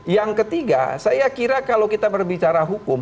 yang ketiga saya kira kalau kita berbicara hukum